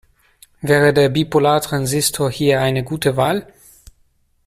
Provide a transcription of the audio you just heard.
Wäre der Bipolartransistor hier eine gute Wahl?